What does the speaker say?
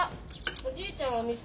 おじいちゃんはお店。